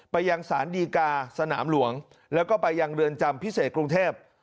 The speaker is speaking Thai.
ไปยังสารดีกาสนามหลวงแล้วก็ไปยังเรือนจำพิเศษกรุงเทพ